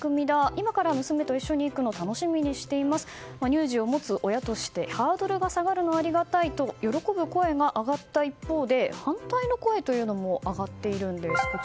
今から娘と一緒に行くをの楽しみにしていますと乳児を持つ親としてハードルが下がるのはありがたいと喜ぶ声が上がった一方で反対の声というのも上がっているんです。